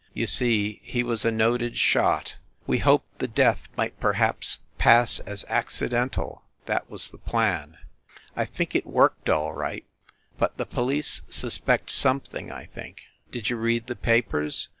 You see, he was a noted shot ... we hoped the death might perhaps pass as accidental ... that was the plan. ... I think it worked all right, ... but the police suspect something I think. ... Did you read the papers